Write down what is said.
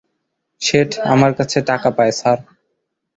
শেঠ আমার কাছে টাকা পায়, স্যার।